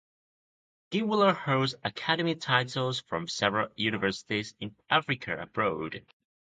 Ginwala holds academic titles from several universities in Africa and abroad.